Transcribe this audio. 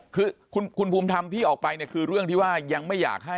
คือคุณบุหมทำพิออกไปคือเรื่องที่ว่ายังไม่อยากให้